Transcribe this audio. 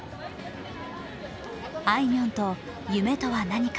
あいみょんと「夢とは何か？」